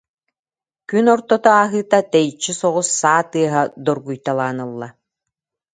Күн ортото ааһыыта тэйиччи соҕус саа тыаһа дор- гуйталаан ылла